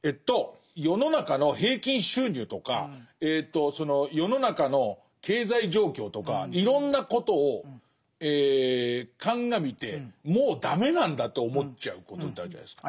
世の中の平均収入とか世の中の経済状況とかいろんなことを鑑みてもう駄目なんだと思っちゃうことってあるじゃないですか。